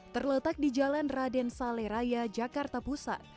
terletak di jalan raden sale raya jakarta pusat